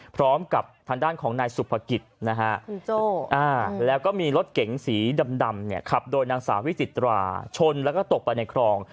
พร้อมกับทางด้านของนายสุภกิจนะฮะแล้วก็มีรถเก๋งสีดำเนี่ยขับโดยนางสาววิจิตราชนแล้วก็ตกไปในคลอง